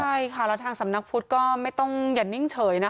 ใช่ค่ะแล้วทางสำนักพุทธก็ไม่ต้องอย่านิ่งเฉยนะคะ